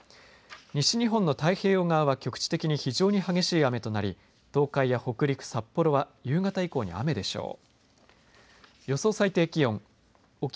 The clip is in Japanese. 西日本の太平洋側は局地的に非常に激しい雨となり東海や北陸、札幌は夕方以降に雨でしょう。